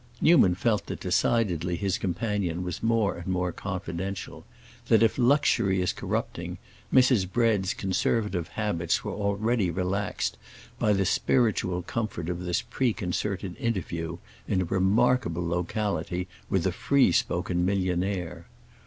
Newman felt that decidedly his companion was more and more confidential—that if luxury is corrupting, Mrs. Bread's conservative habits were already relaxed by the spiritual comfort of this preconcerted interview, in a remarkable locality, with a free spoken millionaire.